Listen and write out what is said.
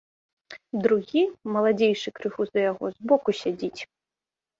Другі, маладзейшы крыху за яго, збоку сядзіць.